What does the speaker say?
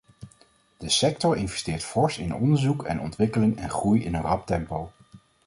De sector investeert fors in onderzoek en ontwikkeling en groeit in een rap tempo.